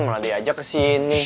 malah diajak kesini